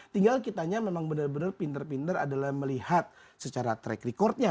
tinggal kitanya memang benar benar pinter pinter adalah melihat secara track recordnya